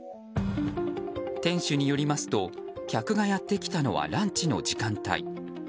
店主によりますと客がやってきたのはランチの時間帯。